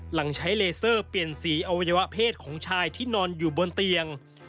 หลังใช้เลเซอร์เปลี่ยนสีอวัยวะเพศของชายที่นอนอยู่บนเตียง